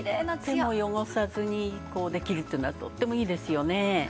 手も汚さずにできるっていうのはとってもいいですよね。